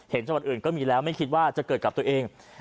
จังหวัดอื่นก็มีแล้วไม่คิดว่าจะเกิดกับตัวเอง